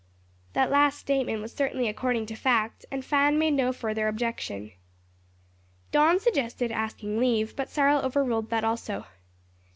That last statement was certainly according to fact, and Fan made no further objection. Don suggested asking leave, but Cyril overruled that also.